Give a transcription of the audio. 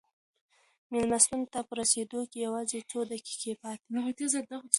مېلمستون ته په رسېدو کې یوازې څو دقیقې پاتې دي.